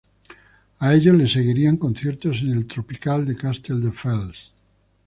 A ellos le seguirían conciertos en el "Tropical" de Castelldefels.